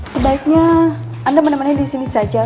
sebaiknya anda menemani disini saja